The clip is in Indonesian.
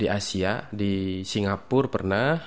di asia di singapura pernah